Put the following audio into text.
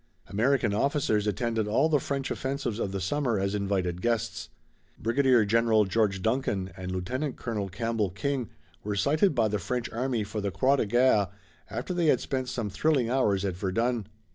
American officers attended all the French offensives of the summer as invited guests. Brigadier General George Duncan and Lieutenant Colonel Campbell King were cited by the French army for the croix de guerre after they had spent some thrilling hours at Verdun.